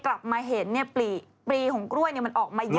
กลับมาเห็นปลีของกล้วยมันออกมาเยอะ